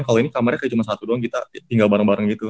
kalau ini kamarnya kayak cuma satu doang kita tinggal bareng bareng gitu